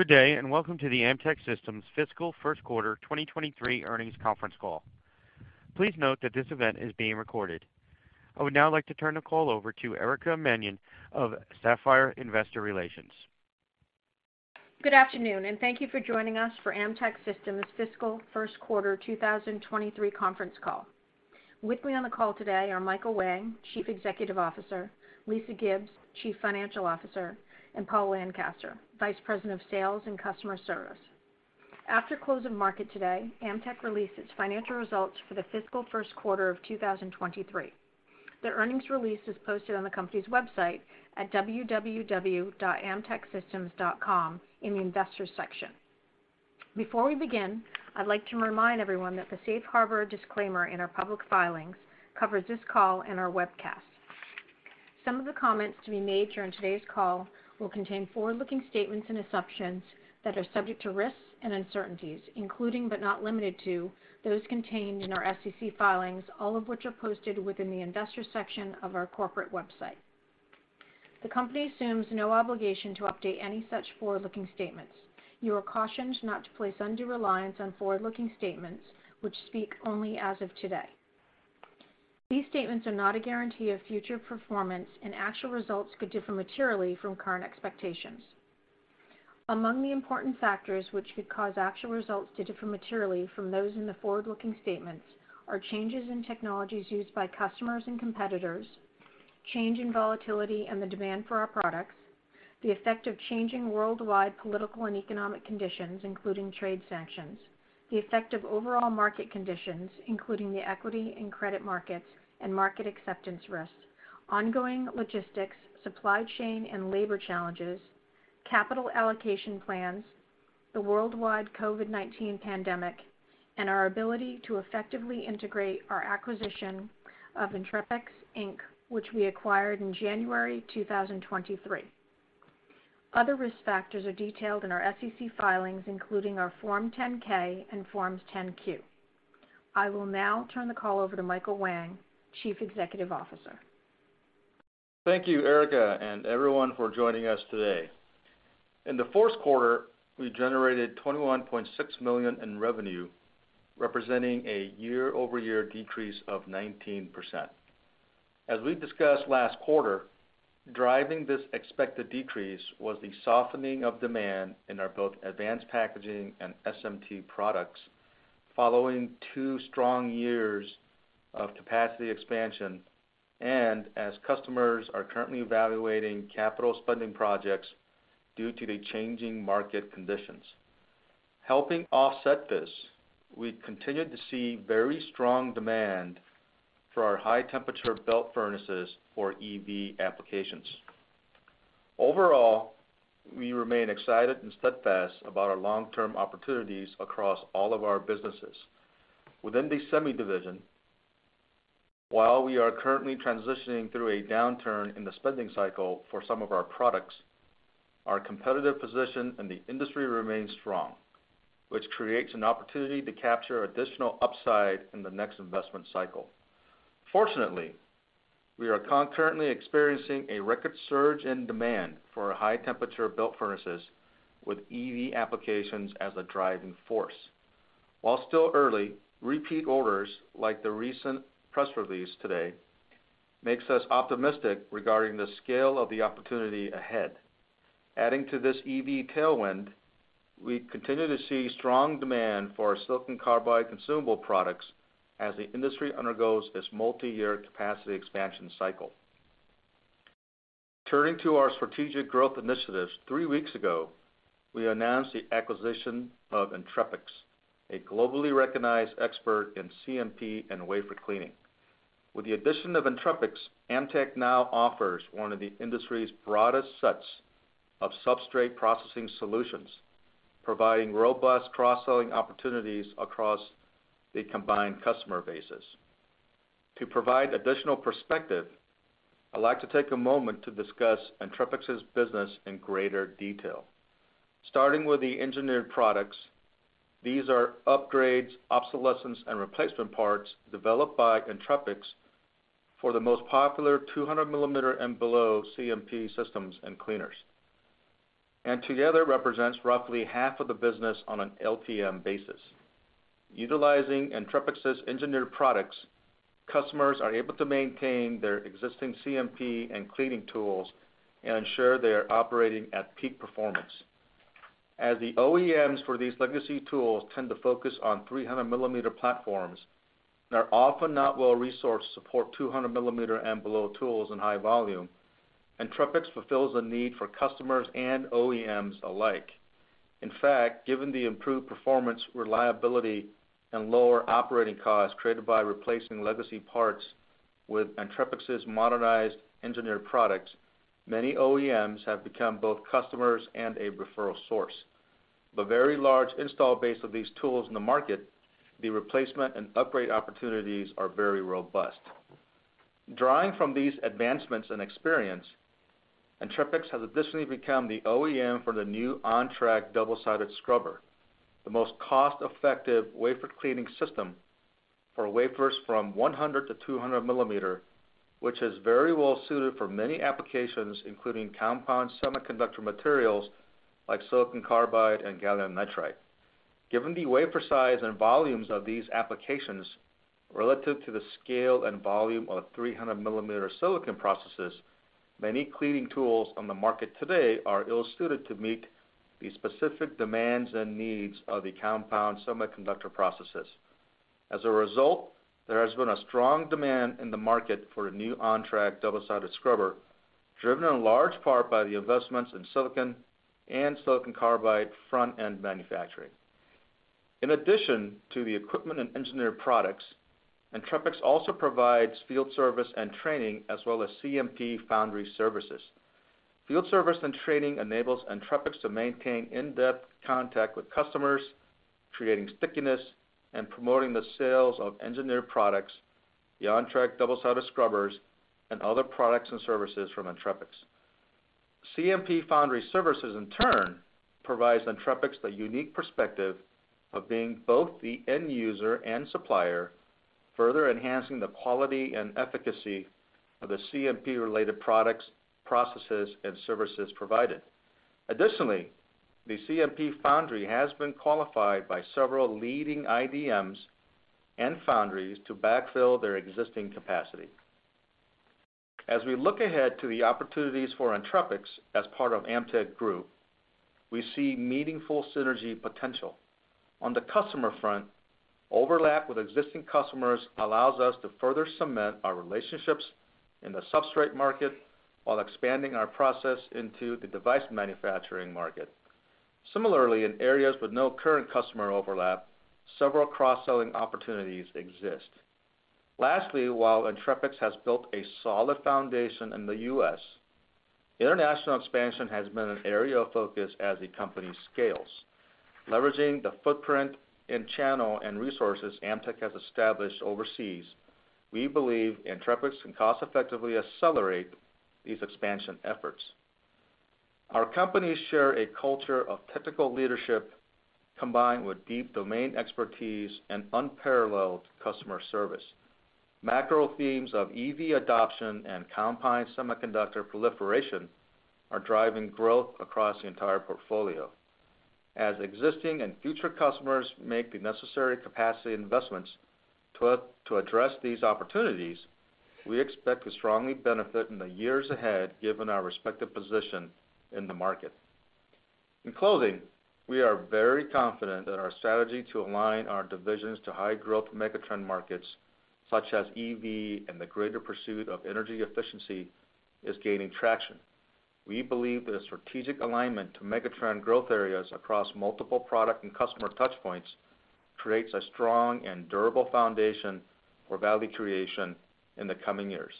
Good day, welcome to the Amtech Systems Fiscal First Quarter 2023 earnings conference call. Please note that this event is being recorded. I would now like to turn the call over to Erica Mannion of Sapphire Investor Relations. Good afternoon. Thank you for joining us for Amtech Systems Fiscal First Quarter 2023 conference call. With me on the call today are Michael Whang, Chief Executive Officer, Lisa Gibbs, Chief Financial Officer, and Paul Lancaster, Vice President of Sales and Customer Service. After close of market today, Amtech released its financial results for the fiscal first quarter of 2023. The earnings release is posted on the company's website at www.amtechsystems.com in the Investors section. Before we begin, I'd like to remind everyone that the safe harbor disclaimer in our public filings covers this call and our webcast. Some of the comments to be made during today's call will contain forward-looking statements and assumptions that are subject to risks and uncertainties, including, but not limited to, those contained in our SEC filings, all of which are posted within the Investors section of our corporate website. The company assumes no obligation to update any such forward-looking statements. You are cautioned not to place undue reliance on forward-looking statements which speak only as of today. These statements are not a guarantee of future performance, and actual results could differ materially from current expectations. Among the important factors which could cause actual results to differ materially from those in the forward-looking statements are changes in technologies used by customers and competitors, change in volatility and the demand for our products, the effect of changing worldwide political and economic conditions, including trade sanctions, the effect of overall market conditions, including the equity and credit markets and market acceptance risks, ongoing logistics, supply chain and labor challenges, capital allocation plans, the worldwide COVID-19 pandemic, and our ability to effectively integrate our acquisition of Entrepix, Inc., which we acquired in January 2023. Other risk factors are detailed in our SEC filings, including our Form 10-K and Forms 10-Q. I will now turn the call over to Michael Whang, Chief Executive Officer. Thank you, Erica, and everyone for joining us today. In the fourth quarter, we generated $21.6 million in revenue, representing a year-over-year decrease of 19%. As we discussed last quarter, driving this expected decrease was the softening of demand in our both advanced packaging and SMT products following two strong years of capacity expansion and as customers are currently evaluating capital spending projects due to the changing market conditions. Helping offset this, we continued to see very strong demand for our high-temperature belt furnaces for EV applications. Overall, we remain excited and steadfast about our long-term opportunities across all of our businesses. Within the semi division, while we are currently transitioning through a downturn in the spending cycle for some of our products, our competitive position in the industry remains strong, which creates an opportunity to capture additional upside in the next investment cycle. Fortunately, we are concurrently experiencing a record surge in demand for our high-temperature belt furnaces with EV applications as a driving force. While still early, repeat orders like the recent press release today makes us optimistic regarding the scale of the opportunity ahead. Adding to this EV tailwind, we continue to see strong demand for our silicon carbide consumable products as the industry undergoes this multiyear capacity expansion cycle. Turning to our strategic growth initiatives, three weeks ago, we announced the acquisition of Entrepix, a globally recognized expert in CMP and wafer cleaning. With the addition of Entrepix, Amtech now offers one of the industry's broadest sets of substrate processing solutions, providing robust cross-selling opportunities across the combined customer bases. To provide additional perspective, I'd like to take a moment to discuss Entrepix's business in greater detail. Starting with the engineered products, these are upgrades, obsolescence, and replacement parts developed by Entrepix for the most popular 200 millimeter and below CMP systems and cleaners, and together represents roughly half of the business on an LTM basis. Utilizing Entrepix's engineered products, customers are able to maintain their existing CMP and cleaning tools and ensure they are operating at peak performance. As the OEMs for these legacy tools tend to focus on 300 millimeter platforms, they are often not well-resourced to support 200 millimeter and below tools in high volume. Entrepix fulfills a need for customers and OEMs alike. In fact, given the improved performance, reliability, and lower operating costs created by replacing legacy parts with Entrepix's modernized engineered products, many OEMs have become both customers and a referral source. The very large install base of these tools in the market, the replacement and upgrade opportunities are very robust. Drawing from these advancements and experience, Entrepix has additionally become the OEM for the new OnTrak double-sided scrubber, the most cost-effective wafer cleaning system. For wafers from 100-200 millimeter, which is very well suited for many applications, including compound semiconductor materials like silicon carbide and gallium nitride. Given the wafer size and volumes of these applications, relative to the scale and volume of 300 millimeter silicon processes, many cleaning tools on the market today are ill-suited to meet the specific demands and needs of the compound semiconductor processes. As a result, there has been a strong demand in the market for a new OnTrak double-sided scrubber, driven in large part by the investments in silicon and silicon carbide front-end manufacturing. In addition to the equipment and engineered products, Entrepix also provides field service and training, as well as CMP foundry services. Field service and training enables Entrepix to maintain in-depth contact with customers, creating stickiness and promoting the sales of engineered products, the OnTrak double-sided scrubbers, and other products and services from Entrepix. Entrepix CMP Foundry, in turn, provides Entrepix the unique perspective of being both the end user and supplier, further enhancing the quality and efficacy of the CMP-related products, processes, and services provided. Additionally, the CMP Foundry has been qualified by several leading IDMs and foundries to backfill their existing capacity. As we look ahead to the opportunities for Entrepix as part of Amtech group, we see meaningful synergy potential. On the customer front, overlap with existing customers allows us to further cement our relationships in the substrate market while expanding our process into the device manufacturing market. Similarly, in areas with no current customer overlap, several cross-selling opportunities exist. Lastly, while Entrepix has built a solid foundation in the U.S., international expansion has been an area of focus as the company scales. Leveraging the footprint and channel and resources Amtech has established overseas, we believe Entrepix can cost-effectively accelerate these expansion efforts. Our companies share a culture of technical leadership combined with deep domain expertise and unparalleled customer service. Macro themes of EV adoption and compound semiconductor proliferation are driving growth across the entire portfolio. As existing and future customers make the necessary capacity investments to address these opportunities, we expect to strongly benefit in the years ahead given our respective position in the market. In closing, we are very confident that our strategy to align our divisions to high-growth megatrend markets, such as EV and the greater pursuit of energy efficiency, is gaining traction. We believe that a strategic alignment to megatrend growth areas across multiple product and customer touch points creates a strong and durable foundation for value creation in the coming years.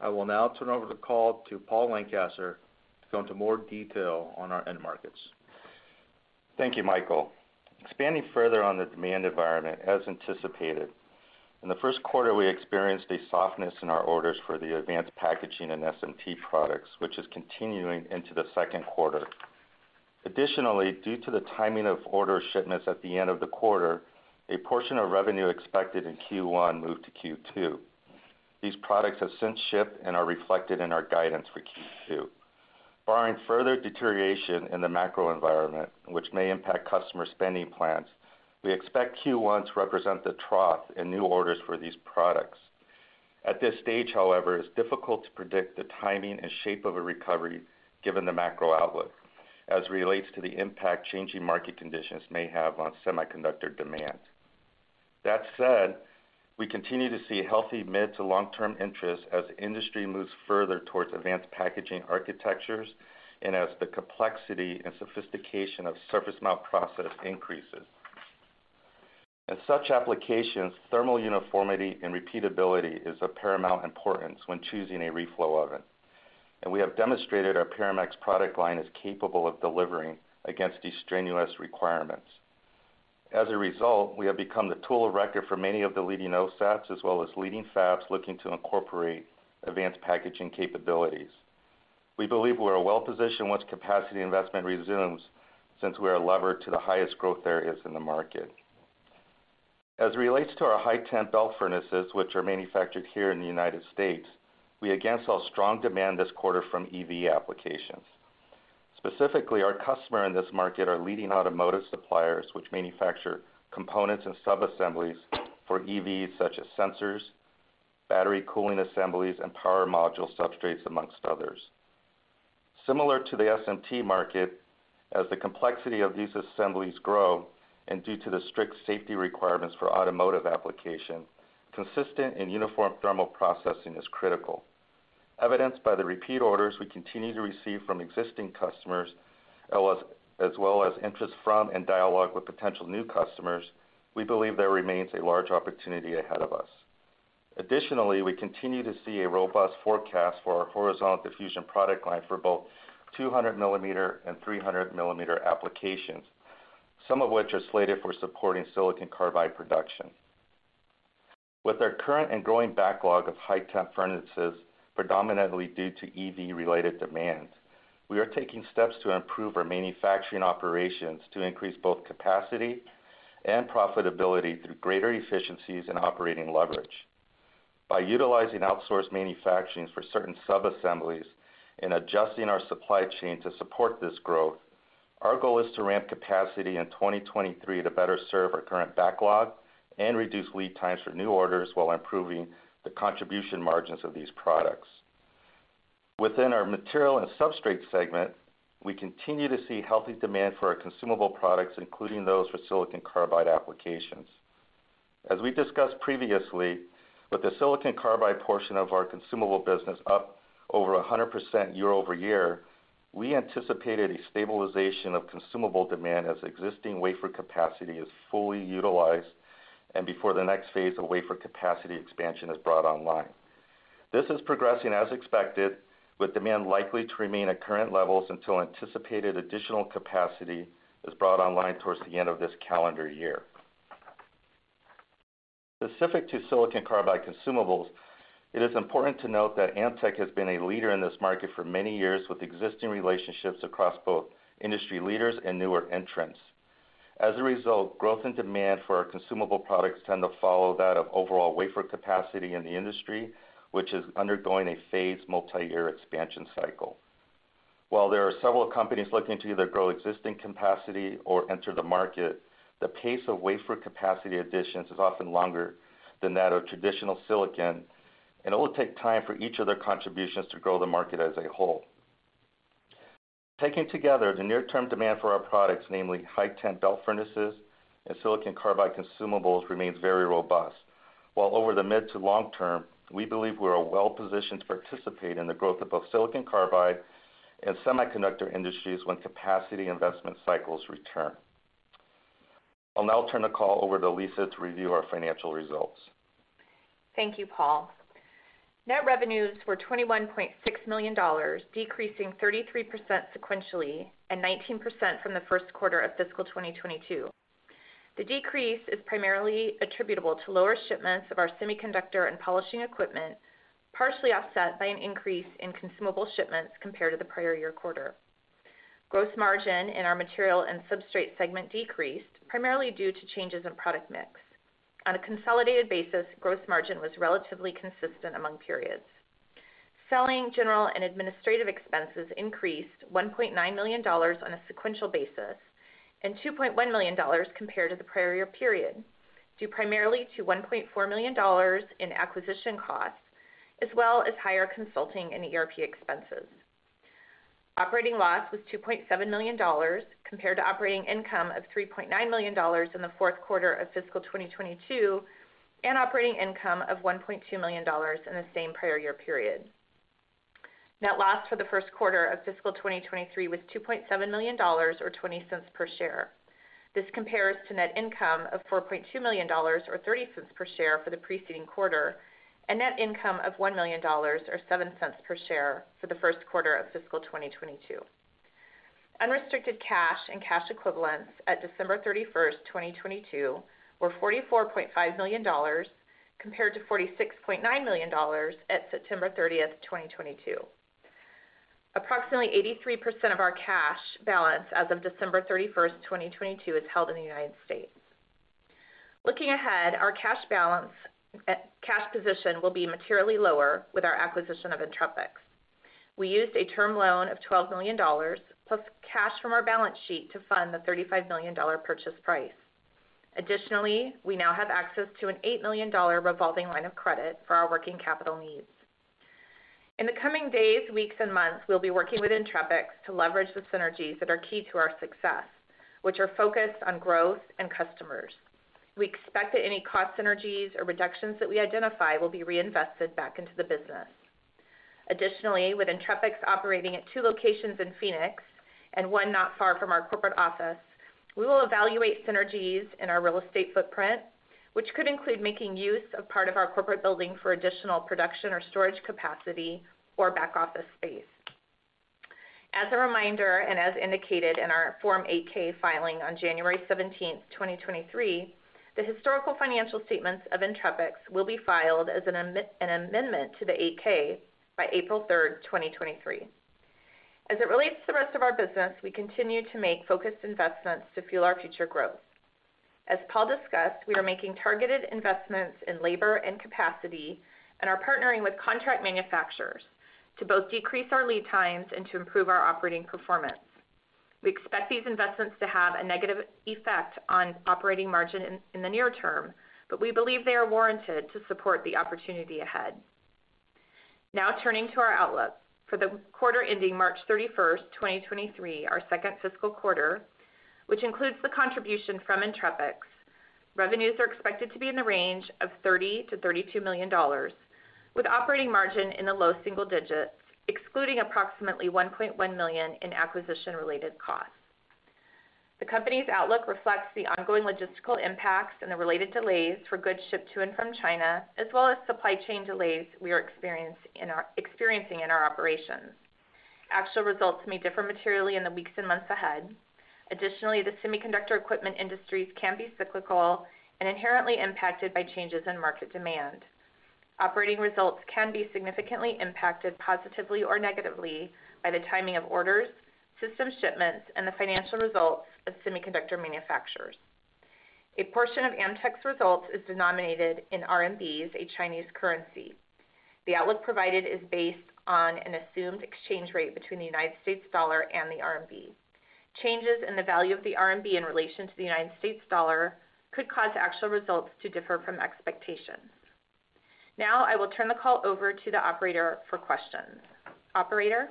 I will now turn over the call to Paul Lancaster to go into more detail on our end markets. Thank you, Michael. Expanding further on the demand environment as anticipated, in the first quarter we experienced a softness in our orders for the advanced packaging and SMT products, which is continuing into the second quarter. Additionally due to the timing of order shipments at the end of the quarter, a portion of revenue expected in Q1 moved to Q2. These products have since shipped and are reflected in our guidance for Q2. Barring further deterioration in the macro environment, which may impact customer spending plans, we expect Q1 to represent the trough in new orders for these products. At this stage, however, it's difficult to predict the timing and shape of a recovery given the macro outlook as it relates to the impact changing market conditions may have on semiconductor demand. That said, we continue to see healthy mid to long-term interest as industry moves further towards advanced packaging architectures and as the complexity and sophistication of surface mount process increases. In such applications, thermal uniformity and repeatability is of paramount importance when choosing a reflow oven. We have demonstrated our ParaMax product line is capable of delivering against these strenuous requirements. As a result, we have become the tool of record for many of the leading OSATs as well as leading fabs looking to incorporate advanced packaging capabilities. We believe we are well-positioned once capacity investment resumes since we are levered to the highest growth areas in the market. As it relates to our high temp belt furnaces, which are manufactured here in the United States, we again saw strong demand this quarter from EV applications. Specifically, our customer in this market are leading automotive suppliers which manufacture components and subassemblies for EVs such as sensors, battery cooling assemblies, and power module substrates, amongst others. Similar to the SMT market, as the complexity of these assemblies grow, and due to the strict safety requirements for automotive application, consistent and uniform thermal processing is critical. Evidenced by the repeat orders we continue to receive from existing customers, as well as interest from and dialogue with potential new customers, we believe there remains a large opportunity ahead of us. Additionally, we continue to see a robust forecast for our horizontal diffusion product line for both 200 millimeter and 300 millimeter applications, some of which are slated for supporting silicon carbide production. With our current and growing backlog of high-temp furnaces, predominantly due to EV-related demands, we are taking steps to improve our manufacturing operations to increase both capacity and profitability through greater efficiencies and operating leverage. By utilizing outsourced manufacturing for certain subassemblies and adjusting our supply chain to support this growth, our goal is to ramp capacity in 2023 to better serve our current backlog and reduce lead times for new orders while improving the contribution margins of these products. Within our material and substrate segment, we continue to see healthy demand for our consumable products, including those for silicon carbide applications. As we discussed previously, with the silicon carbide portion of our consumable business up over 100% year-over-year, we anticipated a stabilization of consumable demand as existing wafer capacity is fully utilized and before the next phase of wafer capacity expansion is brought online. This is progressing as expected, with demand likely to remain at current levels until anticipated additional capacity is brought online towards the end of this calendar year. Specific to silicon carbide consumables, it is important to note that Amtech has been a leader in this market for many years, with existing relationships across both industry leaders and newer entrants. As a result, growth in demand for our consumable products tend to follow that of overall wafer capacity in the industry, which is undergoing a phased multiyear expansion cycle. While there are several companies looking to either grow existing capacity or enter the market, the pace of wafer capacity additions is often longer than that of traditional silicon, and it will take time for each of their contributions to grow the market as a whole. Taken together, the near-term demand for our products, namely high-temp belt furnaces and silicon carbide consumables, remains very robust. While over the mid to long term, we believe we are well positioned to participate in the growth of both silicon carbide and semiconductor industries when capacity investment cycles return. I'll now turn the call over to Lisa to review our financial results. Thank you, Paul. Net revenues were $21.6 million, decreasing 33% sequentially and 19% from the first quarter of fiscal 2022. The decrease is primarily attributable to lower shipments of our semiconductor and polishing equipment, partially offset by an increase in consumable shipments compared to the prior year quarter. Gross margin in our material and substrate segment decreased, primarily due to changes in product mix. On a consolidated basis, gross margin was relatively consistent among periods. Selling, general, and administrative expenses increased $1.9 million on a sequential basis and $2.1 million compared to the prior year period, due primarily to $1.4 million in acquisition costs as well as higher consulting and ERP expenses. Operating loss was $2.7 million compared to operating income of $3.9 million in the fourth quarter of fiscal 2022 and operating income of $1.2 million in the same prior year period. Net loss for the first quarter of fiscal 2023 was $2.7 million or $0.20 per share. This compares to net income of $4.2 million or $0.30 per share for the preceding quarter and net income of $1 million or $0.07 per share for the first quarter of fiscal 2022. Unrestricted cash and cash equivalents at December 31, 2022 were $44.5 million compared to $46.9 million at September 30, 2022. Approximately 83% of our cash balance as of December 31, 2022 is held in the United States. Looking ahead, our cash position will be materially lower with our acquisition of Entrepix. We used a term loan of $12 million plus cash from our balance sheet to fund the $35 million purchase price. Additionally, we now have access to an $8 million revolving line of credit for our working capital needs. In the coming days, weeks, and months, we will be working with Entrepix to leverage the synergies that are key to our success, which are focused on growth and customers. We expect that any cost synergies or reductions that we identify will be reinvested back into the business. Additionally, with Entrepix operating at 2 locations in Phoenix and 1 not far from our corporate office, we will evaluate synergies in our real estate footprint, which could include making use of part of our corporate building for additional production or storage capacity or back office space. As a reminder and as indicated in our Form 8-K filing on January 17, 2023, the historical financial statements of Entrepix will be filed as an amendment to the 8-K by April 3, 2023. As it relates to the rest of our business, we continue to make focused investments to fuel our future growth. As Paul discussed, we are making targeted investments in labor and capacity and are partnering with contract manufacturers to both decrease our lead times and to improve our operating performance. We expect these investments to have a negative effect on operating margin in the near term, but we believe they are warranted to support the opportunity ahead. Turning to our outlook. For the quarter ending March 31st, 2023, our second fiscal quarter, which includes the contribution from Entrepix, revenues are expected to be in the range of $30 million-$32 million with operating margin in the low single digits, excluding approximately $1.1 million in acquisition-related costs. The company's outlook reflects the ongoing logistical impacts and the related delays for goods shipped to and from China, as well as supply chain delays we are experiencing in our operations. Actual results may differ materially in the weeks and months ahead. The semiconductor equipment industries can be cyclical and inherently impacted by changes in market demand. Operating results can be significantly impacted positively or negatively by the timing of orders, system shipments, and the financial results of semiconductor manufacturers. A portion of Amtech's results is denominated in RMBs, a Chinese currency. The outlook provided is based on an assumed exchange rate between the United States dollar and the RMB. Changes in the value of the RMB in relation to the United States dollar could cause actual results to differ from expectations. Now, I will turn the call over to the operator for questions. Operator?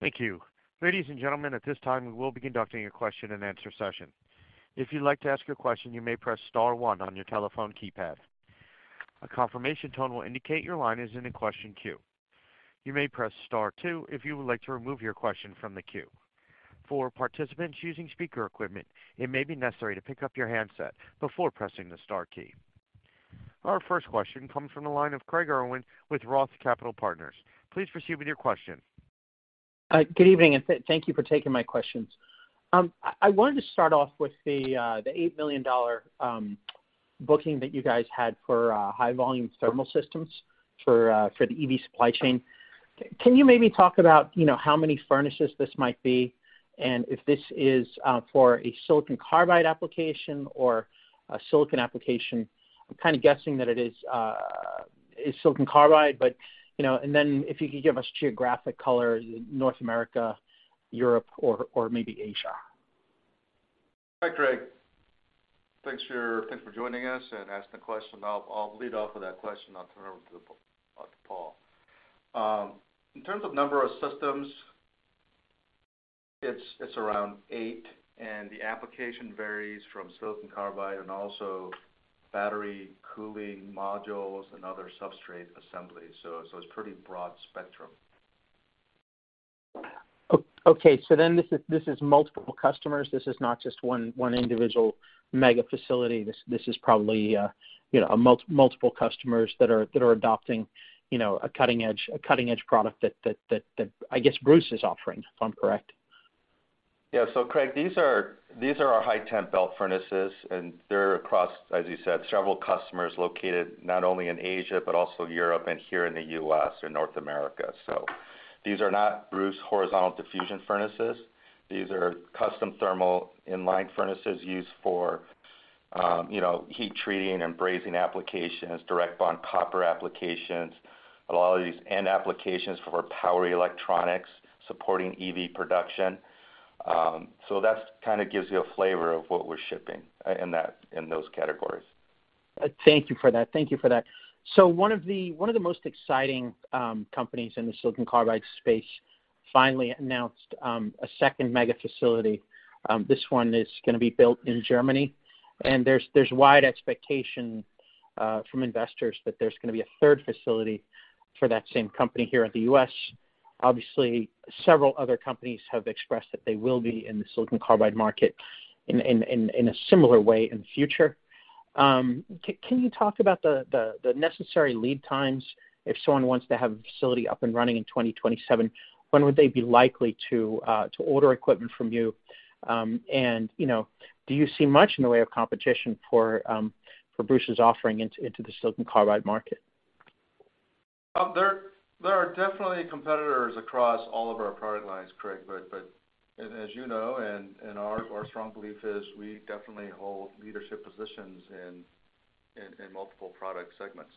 Thank you. Ladies and gentlemen, at this time, we will be conducting a question-and-answer session. If you'd like to ask a question, you may press star one on your telephone keypad. A confirmation tone will indicate your line is in the question queue. You may press star two if you would like to remove your question from the queue. For participants using speaker equipment, it may be necessary to pick up your handset before pressing the star key. Our first question comes from the line of Craig Irwin with Roth Capital Partners. Please proceed with your question. Good evening, and thank you for taking my questions. I wanted to start off with the $8 million booking that you guys had for high-volume thermal systems for the EV supply chain. Can you maybe talk about, you know, how many furnaces this might be, and if this is for a silicon carbide application or a silicon application? I'm kind of guessing that it is silicon carbide, but, you know. If you could give us geographic color, North America, Europe, or maybe Asia. Hi, Craig. Thanks for joining us and asking the question. I will lead off with that question. I'll turn it over to Paul. In terms of number of systems, it's around 8, and the application varies from silicon carbide and also battery cooling modules and other substrate assemblies. It's pretty broad spectrum. Okay, this is multiple customers. This is not just one individual mega facility. This is probably, you know, multiple customers that are adopting, you know, a cutting-edge product that I guess Bruce is offering, if I'm correct. Yeah. Craig, these are our high temp belt furnaces, and they are across, as you said, several customers located not only in Asia, but also Europe and here in the U.S. or North America. These are not Bruce horizontal diffusion furnaces. These are custom thermal inline furnaces used for, you know, heat treating and brazing applications, direct bond copper applications, a lot of these end applications for power electronics supporting EV production. That kind of gives you a flavor of what we're shipping in that, in those categories. Thank you for that. Thank you for that. One of the most exciting companies in the silicon carbide space finally announced a second mega facility. This one is gonna be built in Germany, and there is wide expectation from investors that there's gonna be a third facility for that same company here in the U.S. Obviously, several other companies have expressed that they will be in the silicon carbide market in a similar way in the future. Can you talk about the necessary lead times if someone wants to have a facility up and running in 2027, when would they be likely to order equipment from you? You know, do you see much in the way of competition for Bruce's offering into the silicon carbide market? Well, there are definitely competitors across all of our product lines, Craig. But as you know, our strong belief is we definitely hold leadership positions in multiple product segments,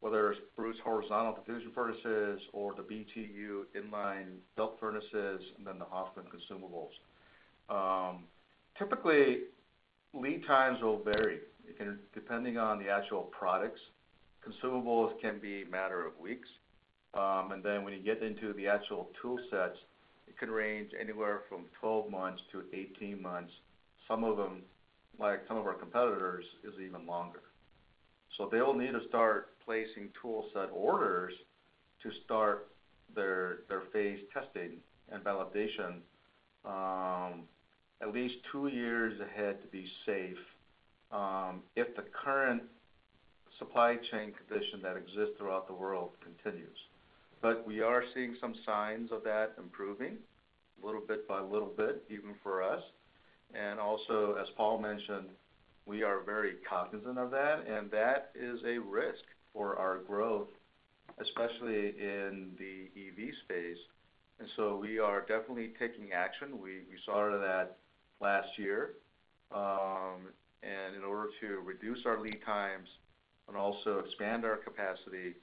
whether it's Bruce horizontal diffusion furnaces or the BTU inline belt furnaces and then the Hoffman consumables. Typically, lead times will vary depending on the actual products. Consumables can be a matter of weeks. And then when you get into the actual tool sets, it could range anywhere from 12 months to 18 months. Some of them, like some of our competitors, is even longer. They will need to start placing tool set orders to start their phase testing and validation, at least 2 years ahead to be safe, if the current supply chain condition that exists throughout the world continues. We are seeing some signs of that improving little bit by little bit, even for us. Also, as Paul mentioned, we are very cognizant of that, and that is a risk for our growth, especially in the EV space. So we are definitely taking action. We started that last year, and in order to reduce our lead times and also expand our capacity,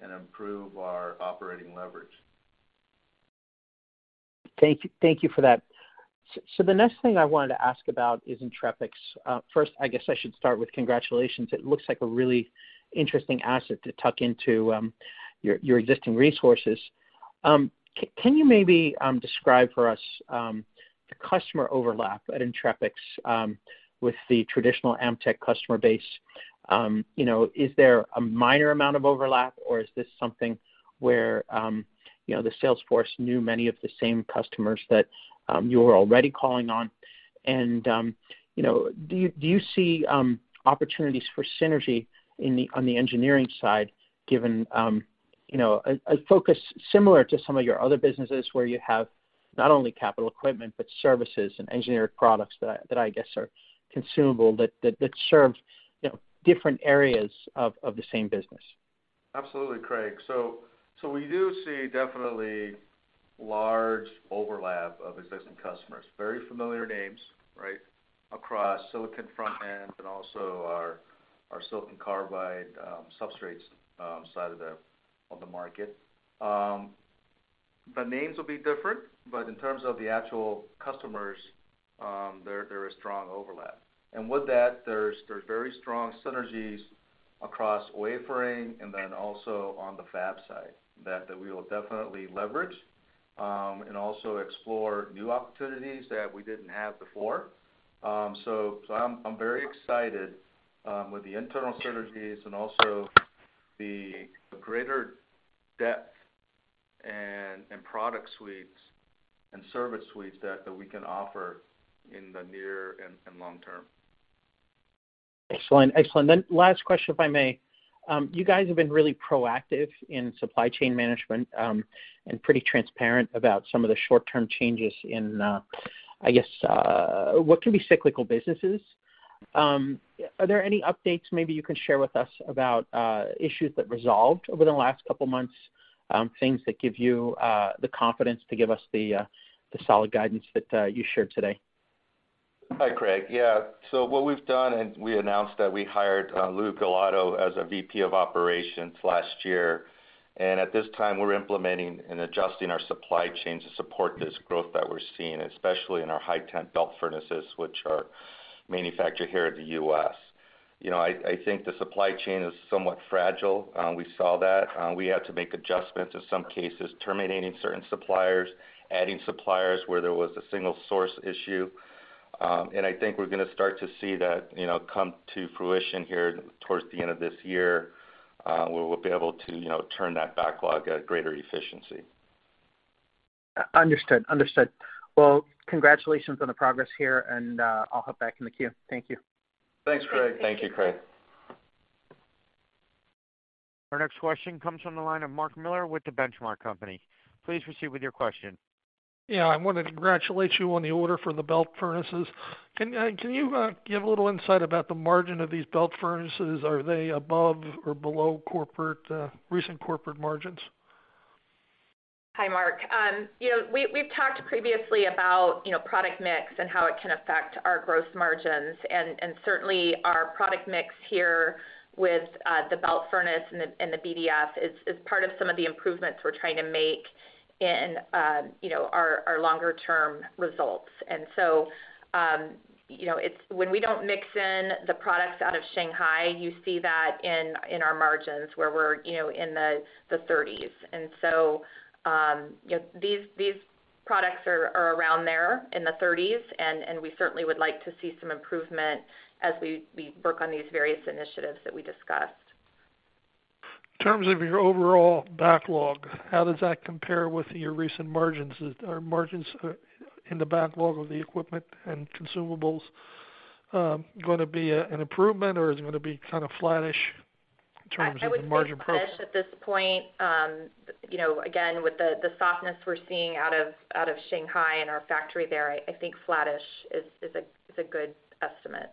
and improve our operating leverage. Thank you. Thank you for that. The next thing I wanted to ask about is Entrepix. First, I guess I should start with congratulations. It looks like a really interesting asset to tuck into, your existing resources. Can you maybe describe for us the customer overlap at Entrepix, with the traditional Amtech customer base? You know, is there a minor amount of overlap, or is this something where, you know, the sales force knew many of the same customers that, you were already calling on? You know, do you see opportunities for synergy in the, on the engineering side given, You know, a focus similar to some of your other businesses where you have not only capital equipment, but services and engineered products that I guess are consumable that serve, you know, different areas of the same business. Absolutely, Craig. We do see definitely large overlap of existing customers, very familiar names, right, across silicon front-end and also our silicon carbide substrates side of the market. The names will be different, but in terms of the actual customers, there is strong overlap. With that, there is very strong synergies across wafering and then also on the fab side that we will definitely leverage and also explore new opportunities that we didn't have before. I'm very excited with the internal synergies and also the greater depth and product suites and service suites that we can offer in the near and long term. Excellent. Excellent. Last question, if I may. You guys have been really proactive in supply chain management, and pretty transparent about some of the short-term changes in, I guess, what can be cyclical businesses. Are there any updates maybe you can share with us about issues that resolved over the last couple of months, things that give you the confidence to give us the solid guidance that you shared today? Hi, Craig. Yeah. What we have done, and we announced that we hired Louis Golato as a VP of Operations last year. At this time, we're implementing and adjusting our supply chain to support this growth that we're seeing, especially in our high temp belt furnaces, which are manufactured here in the U.S. You know, I think the supply chain is somewhat fragile. We saw that. We had to make adjustments, in some cases, terminating certain suppliers, adding suppliers where there was a single source issue. I think we are gonna start to see that, you know, come to fruition here towards the end of this year, where we'll be able to, you know, turn that backlog at greater efficiency. Understood. Well, congratulations on the progress here, and I'll hop back in the queue. Thank you. Thanks, Craig. Thank you, Craig. Our next question comes from the line of Mark Miller with The Benchmark Company. Please proceed with your question. Yeah. I want to congratulate you on the order for the belt furnaces. Can you give a little insight about the margin of these belt furnaces? Are they above or below corporate recent corporate margins? Hi, Mark. You know, we have talked previously about, you know, product mix and how it can affect our gross margins. Certainly our product mix here with the belt furnace and the BDF is part of some of the improvements we're trying to make in, you know, our longer term results. So, you know, when we don't mix in the products out of Shanghai, you see that in our margins where we're, you know, in the thirties. So, these products are around there in the thirties, and we certainly would like to see some improvement as we work on these various initiatives that we discussed. In terms of your overall backlog, how does that compare with your recent margins? Are margins, in the backlog of the equipment and consumables, gonna be an improvement, or is it gonna be kind of flattish in terms of the margin profile? I would say flattish at this point. you know, again, with the softness we're seeing out of Shanghai and our factory there, I think flattish is a good estimate.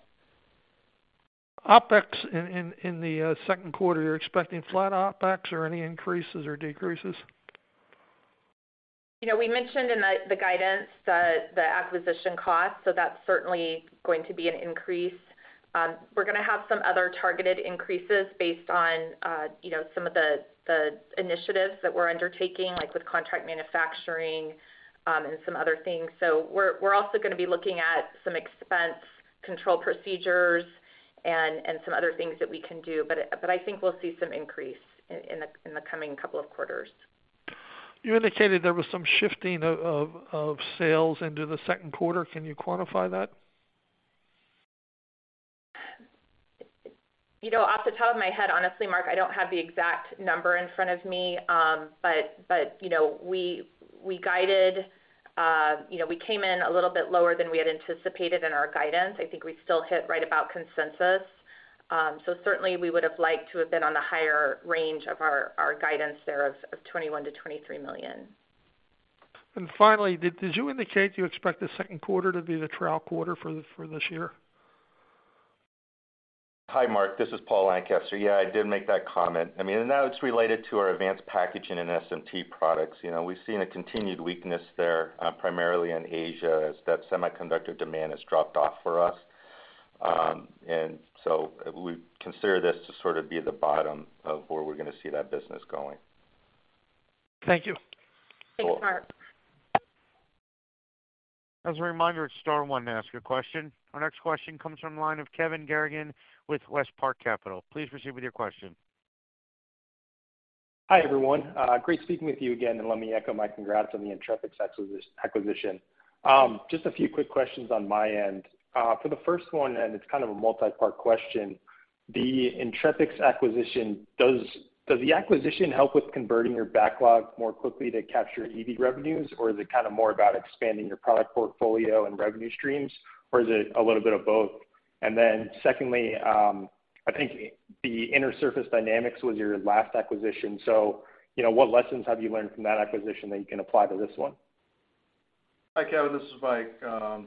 OpEx in the second quarter, you're expecting flat OpEx or any increases or decreases? You know, we mentioned in the guidance, the acquisition costs, so that's certainly going to be an increase. We are gonna have some other targeted increases based on, you know, some of the initiatives that we are undertaking, like with contract manufacturing, and some other things. We're also gonna be looking at some expense control procedures and some other things that we can do. I think we'll see some increase in the coming couple of quarters. You indicated there was some shifting of sales into the second quarter. Can you quantify that? You know, off the top of my head, honestly, Mark, I don't have the exact number in front of me. You know, we guided, you know, we came in a little bit lower than we had anticipated in our guidance. I think we still hit right about consensus. Certainly we would have liked to have been on the higher range of our guidance there of $21 million-$23 million. finally, did you indicate you expect the second quarter to be the trial quarter for this year? Hi, Mark. This is Paul Lancaster. Yeah, I did make that comment. I mean, that's related to our advanced packaging and SMT products. You know, we've seen a continued weakness there, primarily in Asia as that semiconductor demand has dropped off for us. So we consider this to sort of be the bottom of where we're gonna see that business going. Thank you. Thanks, Mark. As a reminder, star one to ask a question. Our next question comes from the line of Kevin Garrigan with WestPark Capital. Please proceed with your question. Hi, everyone. Great speaking with you again, let me echo my congrats on the Entrepix's acquisition. Just a few quick questions on my end. For the first one, it's kind of a multi-part question, the Entrepix's acquisition, does the acquisition help with converting your backlog more quickly to capture EV revenues, or is it kind of more about expanding your product portfolio and revenue streams, or is it a little bit of both? Secondly, I think the Intersurface Dynamics was your last acquisition. You know, what lessons have you learned from that acquisition that you can apply to this one? Hi, Kevin, this is Mike.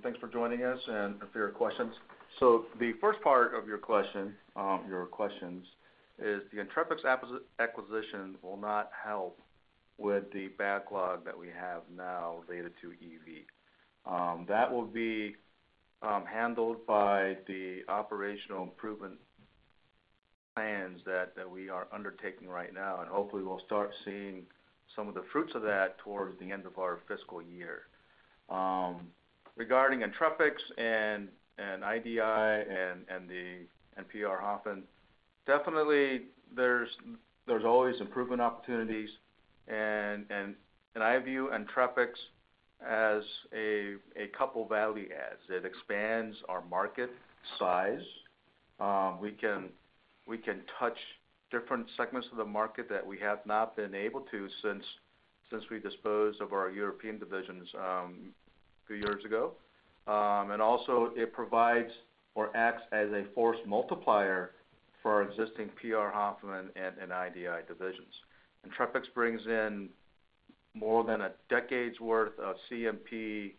Thanks for joining us and for your questions. The first part of your question, your questions is the Entrepix acquisition will not help with the backlog that we have now, theta 2 EV. That will be handled by the operational improvement plans that we are undertaking right now. Hopefully, we'll start seeing some of the fruits of that towards the end of our fiscal year. Regarding Entrepix and IDI and PR Hoffman, definitely there is always improvement opportunities. In I view Entrepix as a couple value adds. It expands our market size. We can touch different segments of the market that we have not been able to since we disposed of our European divisions a few years ago. Also it provides or acts as a force multiplier for our existing PR Hoffman and IDI divisions. Entrepix brings in more than a decade's worth of CMP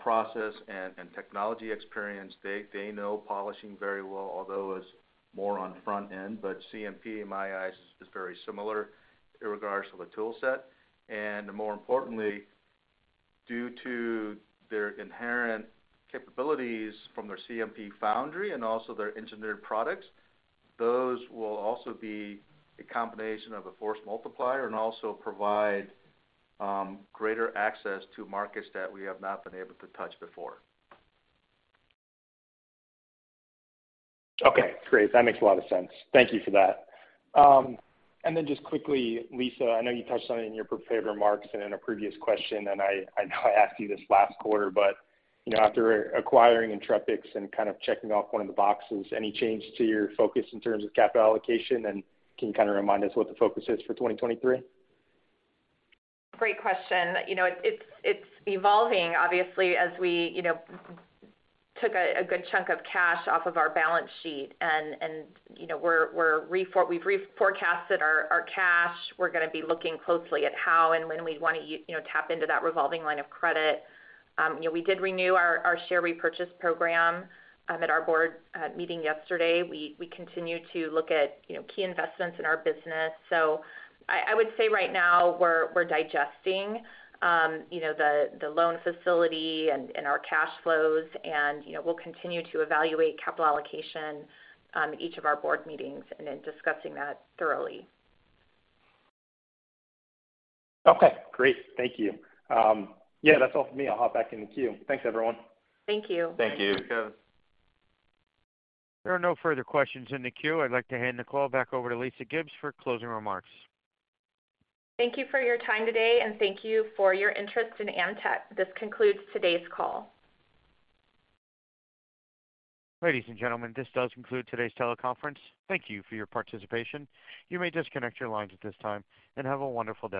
process and technology experience. They know polishing very well, although it's more on front end. CMP, in my eyes, is very similar irregardless of the tool set. More importantly, due to their inherent capabilities from their CMP Foundry and also their engineered products, those will also be a combination of a force multiplier and also provide greater access to markets that we have not been able to touch before. Okay, great. That makes a lot of sense. Thank you for that. Just quickly, Lisa, I know you touched on it in your prepared remarks and in a previous question, and I know I asked you this last quarter, but, you know, after acquiring Entrepix and kind of checking off one of the boxes, any change to your focus in terms of capital allocation? Can you kind of remind us what the focus is for 2023? Great question. You know, it's evolving obviously as we, you know, took a good chunk of cash off of our balance sheet and, you know, we've reforecasted our cash. We are gonna be looking closely at how and when we wanna you know, tap into that revolving line of credit. You know, we did renew our share repurchase program at our board meeting yesterday. We continue to look at, you know, key investments in our business. I would say right now we are digesting, you know, the loan facility and our cash flows and, you know, we'll continue to evaluate capital allocation at each of our board meetings and then discussing that thoroughly. Okay, great. Thank you. Yeah, that's all for me. I'll hop back in the queue. Thanks, everyone. Thank you. Thank you. Thank you, Kevin. There are no further questions in the queue. I'd like to hand the call back over to Lisa Gibbs for closing remarks. Thank you for your time today, and thank you for your interest in Amtech. This concludes today's call. Ladies and gentlemen, this does conclude today's teleconference. Thank you for your participation. You may disconnect your lines at this time, and have a wonderful day.